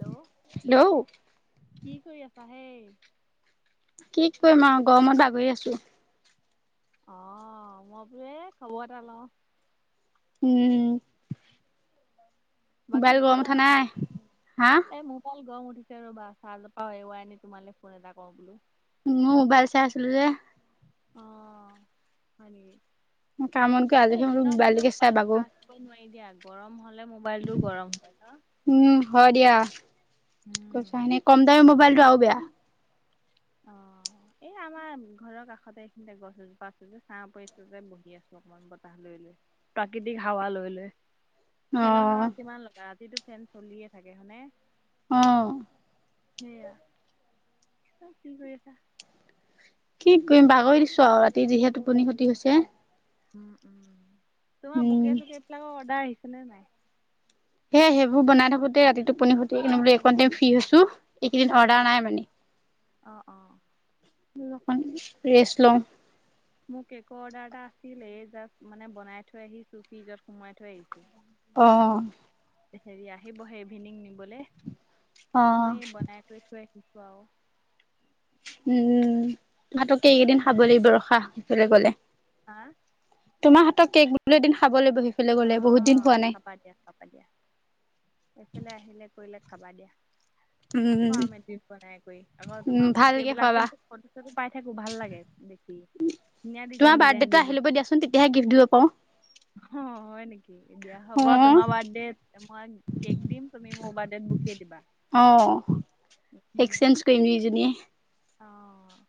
Hello hello কি কৰি আছা হেই? কি কৰিম আৰু, গৰমত বাগৰি আছোঁ। অ', মই বোলো এই খবৰ এটা লওঁ। উম। বাকী মোবাইল গৰম ভাল উঠা আৰু? নাই হা এই মোপাইাল গৰম উঠি ৰ'বা চাৰ্ৰজপা এৰুৱাই আনি তোমালৈ ফোন এটা কৰওঁ বোলো। [unintelligible] মোবাইল আছিলোঁ যে। অ', হয় নেকি? কামত গৈ আজৰি হৈ [unintelligible] এইটো মোবাইলকে চাই পোৱালীটো বাগো চা নোৱাৰি দিয়া, গৰম হলে মোবাইলটোও গৰম হয় ন? উম, হয় দিয়া। কৈছা উম। এনে কম দামী মোবাইলটো আৰু বেয়া। অ', এই আমাৰ ঘৰৰ কাষতে এইখিনিতে গছ এজোপা আছে যে, চাঁ পৰিচেযে বহি আছোঁ। মন বতাহ লৈ লৈ, প্ৰাকৃতিক হাৱা লৈ লৈ। অ ফেনৰ হাৱা কিমান ল'বা, ৰাতিটো ফেন চলিয়ে থাকে হনে? অ'। সেয়া। কি কৰি আছা? কি কৰিম, বাগৰি দিছোঁ আৰু ৰাতি যিহে টোপনি ক্ষতি হৈছে। উম, উম। তোমাৰ উম বুকে চুকে বিলাকৰ অৰ্ডাৰ আহিছে নে নাই? হে সেইবোৰ বনাই থাকোতে ৰাতি টোপনি ক্ষতি, এনে বোলো এইকণ টাইম ফ্ৰী হৈছোঁ। এইকেইদিন অৰ্ডাৰ অ', নাই মানে। অ', অ'। এইকেইদিন অকণ ৰেষ্ট লওঁ। মোৰ কেকৰ অৰ্ডাৰ এটা আছিলে, এই জাষ্ট মানে বনাই থৈ আহিছোঁ, ফ্ৰিজত সোমোৱাই থৈ আহিছোঁ। অ'। হেৰি আহিবহে ইভিনিং নিবলে, অ মই বনাই কৰি থৈ আহিছোঁ আৰু। উম, ভাতকে এইকেইদিন খাব লাগিব ৰখা, বেলেগলে। হা? তোমাৰ হাত কেক বোলো এদিন খাবল লাগিবহি অ', খাবা দিয়া খাবা দিয়া। এইফালে আহিলে কৰিলে খাবা দিয়া। উম খোৱাম এদিন বনাই কৰি। আকৌ উম তোমাৰ বুকে ভালকে বিলাক খোৱাবা কিন্তু ফটো চটো পাই থাকোঁ, ভাল লাগে দে খি, ধুনিয়া ডিজাইন তোমাৰ ডিজাইন দি বাৰ্থডেটো আহি ল'ব বনোৱা। দিয়াচোন তেতিয়াহে গিফ্ট দিব পাৰো অ', হয় নেকি? দিয়া হ'ব অ তোমাৰ বাৰ্থডেত মই কেক দিম, তুমি মোৰ বাৰ্থডেত বুকে দিবা। অ', এক্সচেঞ্জ কৰিম দুইজনীয়ে। অ'।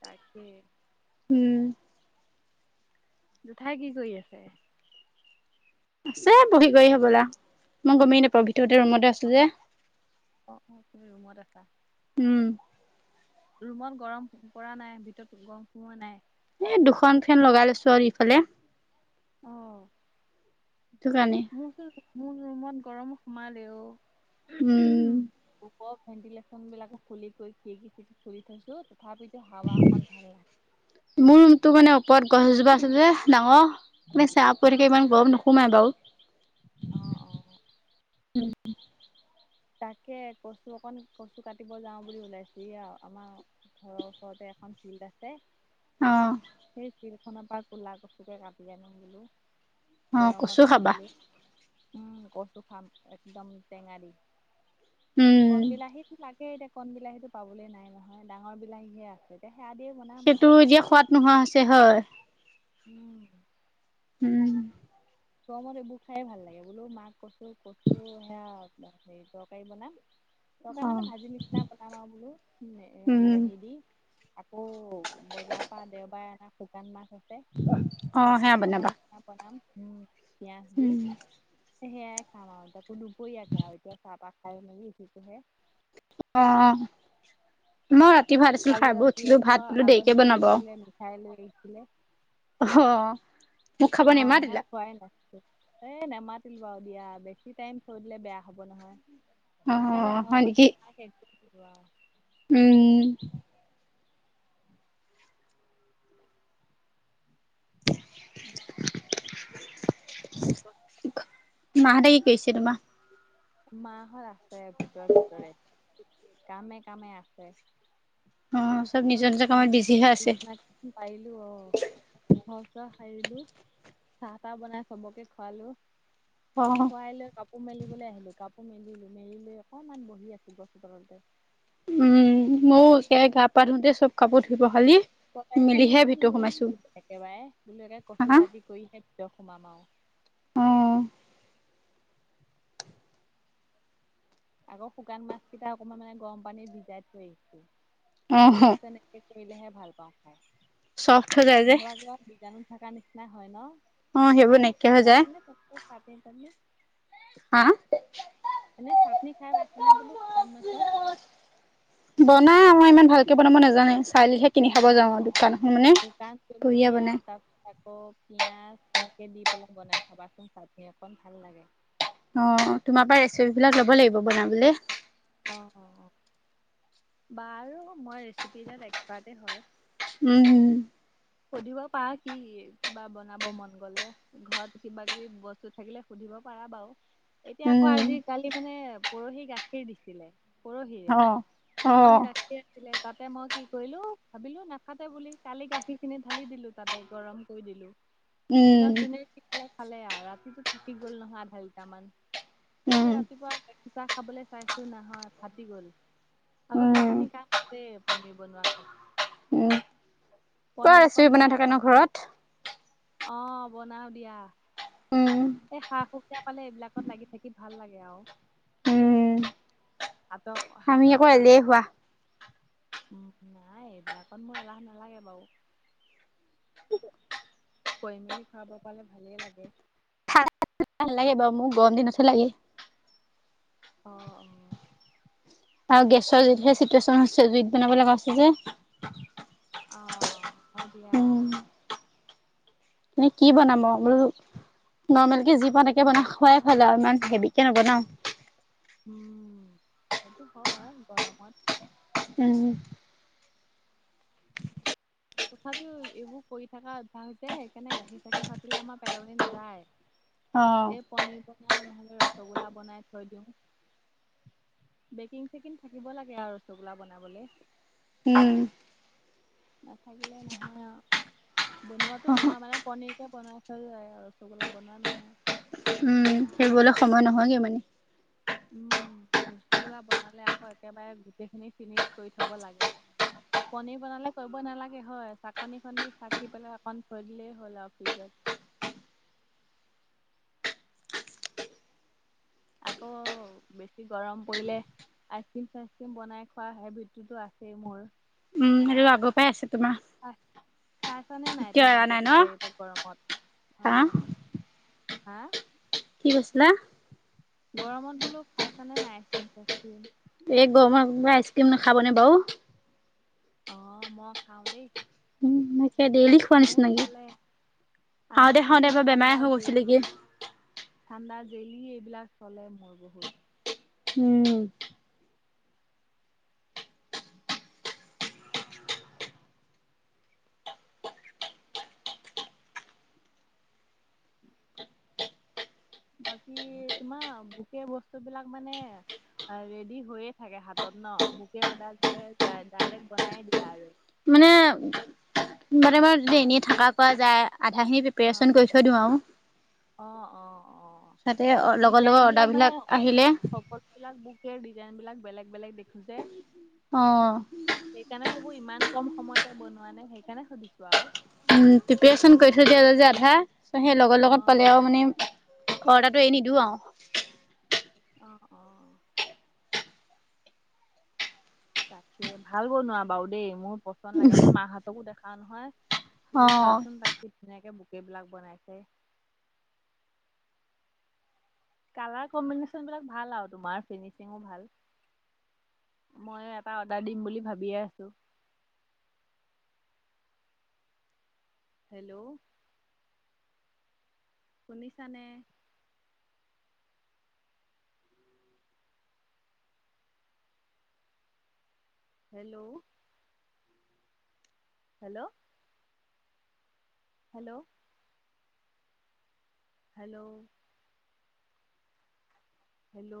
তাকে। উম। জোঠাই কি কৰি আছে? আছে বহি কৰি হ'বলা, মই গমেই নাপাওঁ ভিতৰতে ৰুমতে অ আছোঁ যে। অ', অ', তুমি ৰুমত আছা। উম ৰুমত গৰম পৰা নাই, ভিতৰত গৰম সোৱোৱা নাই। এ, দুখন ফেন লগাই লৈছো আৰু ইফালে। অ'। সেইটো কাৰণে। মোৰ চো মোৰ ৰুমত গৰম সোমালেও উম ওপৰৰ ভেন্টিলেচন বিলাকো খুলি কৰি, খিৰিকী চিৰিকি খুলি থৈছো, তথাপিত হাৱা অকণ ভাল নাহে। মোৰ ৰুমতটো মানে ওপৰত গছ এজোপা আছে যে, ডাঙৰ মানে চাহ পৰি অ থাকে ইমান গৰম নোসো সোমাই বাৰু। অ অ তাকে কচু অকন কচু কাটিব যাও বুলি ওলাইছো এয়া আমা ঘৰৰ ওচৰতে এখন ফিল্ড আছে অ সেই ফিল্ডখনপা কোলা কছুকে কাটি আনুং বোলো অ কচু গৰমত খাবা খাবলে, উম কচু খাম একদম টেঙা দি উম কন বিলাহীতো লাগে এতিয়া কন বিলাহীতো পাবলে নাই নহয়, ডাঙৰ বিলাহী আছে এতিয়া সেয়া দিয়ে বন সেইটো এতিয়া খোৱাদ নোহোৱা হৈছে হয় উম উম গৰমত এইবো খাইয়ে ভাল লাগে বোলো মাক কচু কচু সেয়া হে তৰকাৰী বনাম তৰকাৰি অ মানে ভাজি নিচিনা বনাম আৰু বোলো এ উম বিলাহী দি আকৌ বজাৰপা দেওবাৰে এনা শুকান মাছ আছে অ চাটনি সেয়া অকমান বনাবা বনাম পিয়াঁজ দি উম সেয়াই খামা আৱ তা দুপৰীয়াকে আৱ এতিয়া চাহটাহ খাই মেলি উঠিছোঁহে অ মই ৰাতিৰ ভাত আছিল কালি খাইবই ৰাতি উঠিলোঁ আকৌ ভাত বোলো আলহী দেৰিকে বনাব মিঠাই লৈ আহিছিলে মোক খাব অহ নেমাতিলা শেষ হোৱাই নাই এ নেমাতিলোঁ আও দিয়া বেছি টাইম থৈ দিলে বেয়া হব নহয় অ সেইকাৰণে ঘৰৰ হয় নেকি মানুহে খাই শেষ কৰি দিলোঁ আৱ উম উম [unintelligible] মাহঁতে কি কৰিছে তোমা? মাহত আছে ভিতৰে ভিতৰে, কামে কামে আছে অ চব মই নিজৰ নিজৰ বিচনাত কামত বিজি হৈ আছে বিচনাত পাৰিলো অ ঘৰচৰ সাৰিলো চাহ-তাহ বনাই চবকে খোৱালোঁ অ খুৱাই লৈ কাপোৰ মেলিবলে আহিলো কাপোৰ মেলিলো, মেলি লৈ অকমান বহি আছো গছৰতলতে উম মও সেয়াই গা-পা ধুওঁতে চব কাপোৰ ধুই পখালি কটাৰীখনো মিলিহে মানে ভিতৰত লৈ সোমাইছো আনিছোঁ একেবাৰে বোলো একে হা কচু কাটি কৰিহে ভিতৰত সোমাম আৱ অ আকৌ শুকান মাছ কেইটা অকমান মানে গৰম পানীত ভিজাই থৈ আহিছো অ মই তেনেকে কৰিলেহে ভাল পাওঁ খাই। চফ্ট হৈ যায় যে খোৱা বোৱাত বীজাণু থাকা নিচিনাই হয় ন অ সেইবোৰ নাইকিয়া হৈ যায় সুব ভাবিছানে হা এনে চাটনি খাই পাইছানে বোলো শুকান মাছৰ? বনাই আমা ইমান ভালকে বনাব নাজানে, চালিহে কিনি অ খাব যাওঁ আৰু দোকান এখন অ মানে শুকান বঢ়িয়া জলকীয়া বনাই তাৰপিছত আকৌ পিঁয়াজ এনেকে দি পেলাই বনাই খাবাচোন চাটনী অকণ ভাল লাগে। অ অ তোমাৰ পৰা ৰেচিপি বিলাক ল'ব লাগিব বনাবলে অ অ বাৰু মই ৰেচিপিডাত এক্সপাৰ্টে হয় উম সুধিব পাৰা কি কিবা বনাব মন গলে। ঘত কিবা কিবি বস্তু থাকিলে সুধিব পাৰা বাও এতিয়া আক' উম আজি, কালি মানে পৰহি গাখীৰ দিছিলে। পৰহিৰে অ অ অকণ তে তেই আছিলে। তাতে মই কি কৰিলো ভাবিলো নাফাতে বুলি কালি গাখীৰ খিনি ঢালি দিলো তাতে গৰম কৰি দিলো উম দিনত যোনে যি খালে খালে আও ৰাতিটো থাকি গ'ল নহয় আধালিটাৰ মান। উম এতিয়া ৰাতিপুৱা গাখীৰ চাহ খাবলে চাইছোঁ নহয় ফাটি গ'ল। আকৌ উম সেইখিনি কাম আছেই পনিৰ বনোৱাখন। উম পুৰা পনিৰ ৰেচিপি অকণ বনাই থাকে ন থ'ম বোলো। ঘৰত অঁ, বনাওঁ দিয়া। অঁ, অ। এহ্ সা-সুবিধা পালে এইবিলাকত লাগি থাকি ভাল লাগে আও। উম হাত আমি আকৌ হাতৰ কাহখন এলেহুৱা উম নাই এইবিলাকত মোৰ এলাহ নালাগে বাৰু। কৰি মেলি খুৱাব পালে ভালেই লাগে। তোক ভাল লাগে বাৰু। মোক গৰম দিন চুষ্টি লাগে। অ আৰু গেছৰ যিহে চিটুৱেচন হৈছে জুইত বনাব লগা হৈছে যে অ হয় দিয়া অঁ। নে কি বনাব মগু নৰ্মেল কে যি পাওঁ তাকে বনাই খোৱাই ভাল লাগে আৰু ইমান হেভিকে নবনাও। উম, এইটো হয় গৰমত। এনি তথাপিও এইবোৰ কৰি থকা অভ্যাস যে সেইকাৰণে গাখীৰ-চাখীৰ ফাতিলে আমাৰ পেলনি নাযায়। অ', এই পনিৰ-পনা নহলে ৰসগোল্লা বনাই থৈ দিওঁ। বেকিং-চেকিন থাকিব লাগে আৰু ৰসগোল্লা বনাবলে। উম। নাথাকিলে নহয় আও। বনোৱাতো নহয় মানে, পনীৰকে বনাই থলো হয় আৰু ৰসগোল্লা বনোৱা নহয়। উম, সেইবোৰলে সময় নহয়গে মানে? উম, ৰসগোল্লা বনালে আকৌ একেবাৰে গোটেইখিনি ফিনিচ কৰি থ'ব লাগে। পনীৰ বনালে কৰিব নালাগে হয়। চাকনিখন দি চাকি পেলাই অকণ থৈ দিলেই হ'ল আৰু ফ্ৰিজত। আকৌ বেছি গৰম পৰিলে আইচ ক্ৰীম-চাইচ ক্ৰীম বনাই খোৱা সেই হেভিততুটো আছেই মোৰ। উম, সেইটো আগৰ পৰাই আছে তোমাৰ। খাইচানে নাই এতিয়া এৰা তোমালোকে নাই ন পিছে এইবোৰ গৰমত? হাঁহ অঁ, হাঁ? কি কৈছিলা? গৰমত বোলো খাইছা নে নাই আইচক্ৰীম-চাইচক্ৰীম? এই গৰমত কোনোবাই আইচক্ৰীম নাখাব নে বাৰু। অঁ, মই খাওঁ দেই। মোক কিবা ডেইলি খোৱা মোৰ নিচিনা লাগে। চলে। খাওঁতে, খাওঁতে আইচক্ৰীম, এবাৰ ঠাণ্ডা বেমাৰে হৈ জেলি, গৈছিলেগে। ঠাণ্ডা, জেলি এইবিলাক চলে মোৰ বহুত। উম। বাকী তোমাৰ গোটেই বুকে বস্তুবিলাক মানে আ ৰেডি হৈয়ে থাকে হাতত ন, বুকে অৰ্ডাৰ দিলে ডা ডাইৰেক্ট বনায়ে দিয়া আৰু। মানে মানে মই [unintelligible] থাকা কোৱা যায় আধাখিনি প্ৰিপাৰেচন কৰি থৈ দিওঁ আৰু। অ অ অ, তাতে লগৰ লগৰ ডিজাইনবিলাক মানে অৰ্ডাৰবিলাক অ আহিলে সকল বিলাক বুকে ডিজাইনবিলাক বেলেগ - বেলেগ দেখো যে। অ। সেইকাৰণে হবো ইমান কম সময়তে বনোৱা নে সেইকাৰণে সুধিছো আৰু। উম, প্ৰিপাৰেচন কৰি থৈ দিয়া যে আধা, চ সেই লগৰ লগত অ', পালে আৰু মানে ঘৰ এটো এ নিদিও আৰু। অ অ। তাকে, ভাল বনোৱা বাৰু দেই মোৰ পচন্দ লাগে, মই মাহঁতকো দেখাও নহয়। লৈ অ', চোৱাচোন তাক খুব ধুনীয়াকে বুকেবিলাক বনাইছে। কালাৰ কম্বিনেশ্যনবিলাক ভাল আৰু তোমাৰ ফিনিচিঙো ভাল। মই এটা অৰ্ডাৰ দিম বুলি ভাবিয়ে আছো। হেল্ল'? শুনিছানে? Hello? Hello? Hello? Hello? Hello?